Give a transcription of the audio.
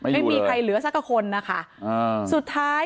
ไม่มีใครเหลือสักกระคนสุดท้าย